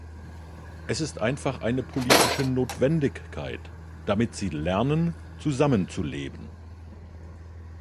Es ist einfach eine politische Notwendigkeit, damit sie lernen zusammenzuleben.